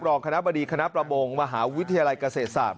รองคณะบดีคณะประมงมหาวิทยาลัยเกษตรศาสตร์